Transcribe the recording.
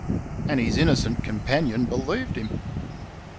And his innocent companion believed him.